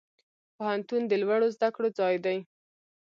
پوهنتون د لوړو زده کړو ځای دی